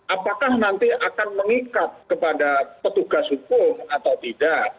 apakah nanti akan mengikat kepada petugas hukum atau tidak